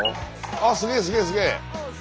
あっすげえすげえすげえ。